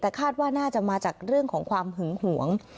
แต่คาดว่าน่าจะมาจากเรื่องของความหึงหวง